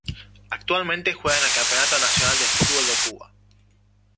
Actualmente juega en el Campeonato Nacional de Fútbol de Cuba.